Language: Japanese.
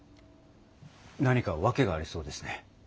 何か訳がありそうですね。